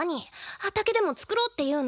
畑でも作ろうっていうの？